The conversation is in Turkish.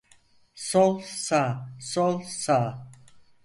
Sol, sağ, sol, sağ.